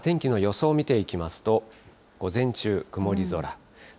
天気の予想を見ていきますと、午前中、曇り空。